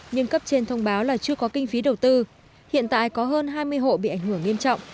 nhưng cấp trên thông báo là chưa có kinh phí đầu tư hiện tại có hơn hai mươi hộ bị ảnh hưởng nghiêm trọng